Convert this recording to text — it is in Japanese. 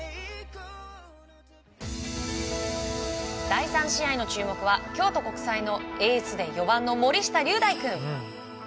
第３試合の注目は京都国際のエースで４番の森下瑠大君。